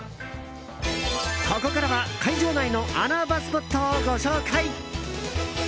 ここからは会場内の穴場スポットをご紹介！